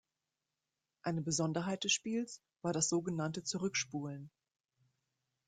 Eine Besonderheit des Spiels war das sogenannte „Zurückspulen“.